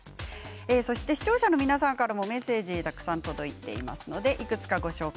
視聴者の皆さんからもメッセージたくさん届いています。